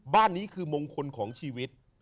บ้านนี้คือมงคลของชีวิต